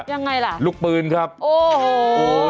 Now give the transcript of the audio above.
ยังไงล่ะลูกปืนครับโอ้โห